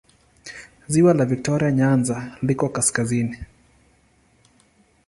Ziwa la Viktoria Nyanza liko kaskazini.